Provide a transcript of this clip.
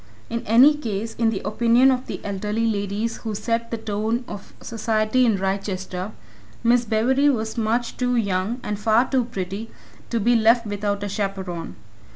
In any case, in the opinion of the elderly ladies who set the tone of society in Wrychester, Miss Bewery was much too young, and far too pretty, to be left without a chaperon.